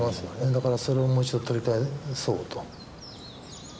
だからそれをもう一度取り返そうと。